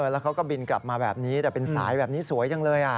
แล้วเขาก็บินกลับมาแบบนี้แต่เป็นสายแบบนี้สวยจังเลย